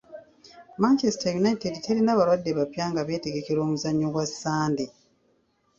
Manchester United terina balwadde bapya nga beetegekera omuzannyo gwa Sande.